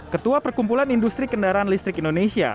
ketua perkumpulan industri kendaraan listrik indonesia